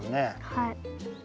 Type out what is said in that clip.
はい。